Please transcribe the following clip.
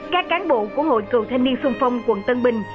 các cán bộ của hội cường thanh niên xung phong quận tân bình